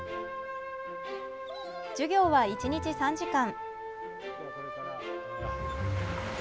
授業は１日３時間。